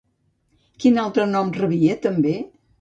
Quin altre nom rebia també?